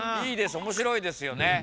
いいですおもしろいですよね。